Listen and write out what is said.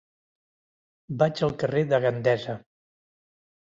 Vaig al carrer de Gandesa.